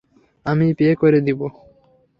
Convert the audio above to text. আমি পে করে দিব।